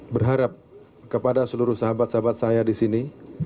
berharap kepada seluruh sahabat sahabat saya di sini